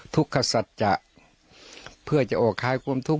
ทุกขสัตว์จะเพื่อจะออกคลายความทุกข์